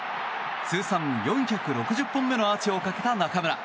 通算４６０本目のアーチをかけた中村。